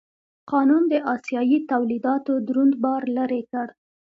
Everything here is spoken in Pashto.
قانون د اسیايي تولیداتو دروند بار لرې کړ.